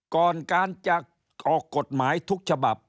ก่อนการจะออกกฎหมายทุกฉบับ